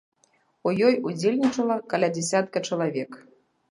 У ёй удзельнічала каля дзясятка чалавек.